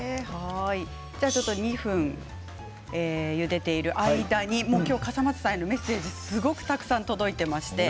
２分ゆでている間に笠松さんへのメッセージすごくたくさん届いています。